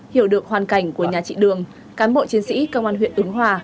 hiểu được hoàn cảnh của nhà chị đường cán bộ chiến sĩ công an huyện ứng hòa